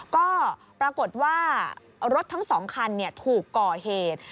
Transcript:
ก็ปรากฏว่ารถทั้ง๒คันถูกก่อเหตุ